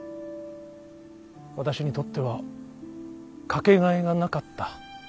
私にとっては掛けがえがなかった。